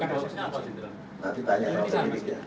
nanti tanya sama pendidiknya